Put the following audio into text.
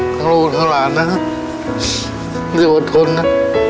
ของลูกของหลานนะครับไม่ต้องอดทนนะ